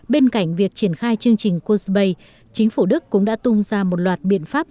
bên cạnh việc triển khai chương trình kurzwei chính phủ đức cũng đã tung ra một loạt biện pháp